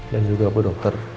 dan juga bu dokter